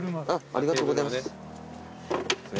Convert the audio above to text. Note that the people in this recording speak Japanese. ありがとうございます。